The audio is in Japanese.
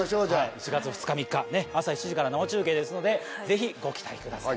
１月２日３日朝７時から生中継ですのでぜひご期待ください